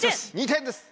２点です。